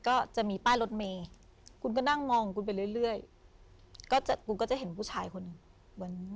ก็จะมีป้ายรถเมย์คุณก็นั่งมองคุณไปเรื่อยเรื่อยก็จะคุณก็จะเห็นผู้ชายคนหนึ่งเหมือน